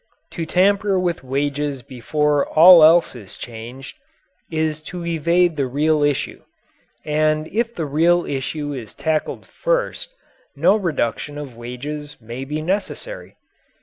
To tamper with wages before all else is changed, is to evade the real issue. And if the real issue is tackled first, no reduction of wages may be necessary.